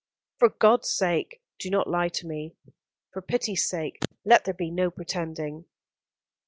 "For God's sake do not lie to me. For pity's sake let there be no pretending."